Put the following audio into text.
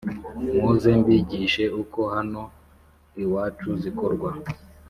Muze mbigishe uko hano iwacu zikorwa